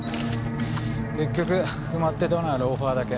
結局埋まってたのはローファーだけ。